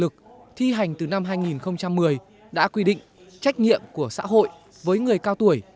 luật người cao tuổi có hiệu lực thi hành từ năm hai nghìn một mươi đã quy định trách nhiệm của xã hội với người cao tuổi